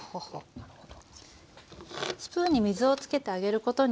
なるほど。